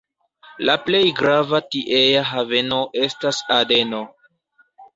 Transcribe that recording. La plej grava tiea haveno estas Adeno.